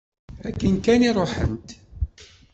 Akken kan i ruḥent.